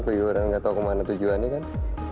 keliuran gak tau kemana tujuannya kan